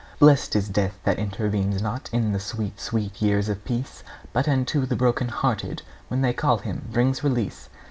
Blest is death that intervenes not In the sweet, sweet years of peace, But unto the broken hearted, When they call him, brings release!